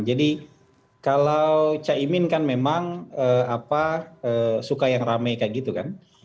jadi kalau caimin kan memang suka yang rame kayak gitu kan